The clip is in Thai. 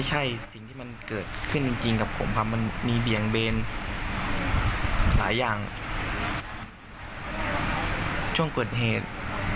ช่วงเกิดเหตุ